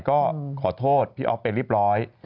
ก็ขอโทษพี่ออฟเป็นริบร้อย